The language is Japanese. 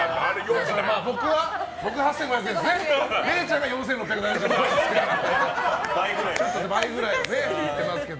僕は８５００円でれいちゃんが４６００円くらい。